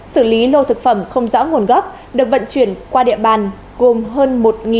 xử lý lô thực phẩm không rõ nguồn gốc được vận chuyển qua địa bàn gồm hơn